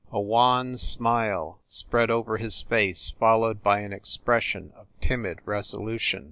A wan smile spread over his face, fol lowed by an expression of timid resolution.